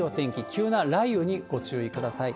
急な雷雨にご注意ください。